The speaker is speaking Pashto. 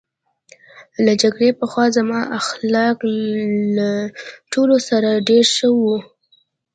له جګړې پخوا زما اخلاق له ټولو سره ډېر ښه وو